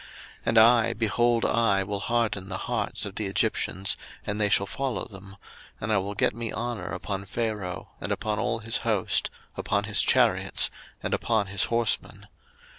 02:014:017 And I, behold, I will harden the hearts of the Egyptians, and they shall follow them: and I will get me honour upon Pharaoh, and upon all his host, upon his chariots, and upon his horsemen.